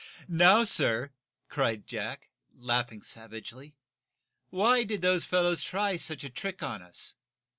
"Now, sir," cried Jack, laughing savagely, "why did those fellows try such a trick on us?